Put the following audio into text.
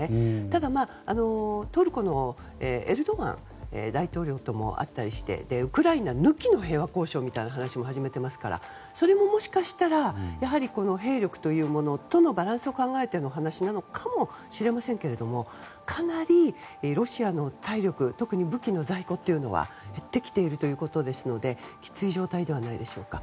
ただ、トルコのエルドアン大統領とも会ったりもしてウクライナ抜きの平和交渉みたいなのも始めていますからそれも、もしかしたらやはり、兵力というものとのバランスを考えての話なのかもしれませんけどかなりロシアの体力特に武器の在庫は減ってきているということですのできつい状態ではないでしょうか。